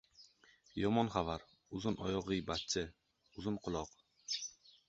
• Yomon xabar ― uzun oyoq, g‘iybatchi ― uzun quloq.